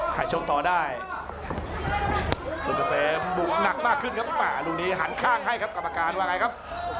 ชกต่อได้สุกเกษมบุกหนักมากขึ้นครับลูกนี้หันข้างให้ครับกรรมการว่าไงครับ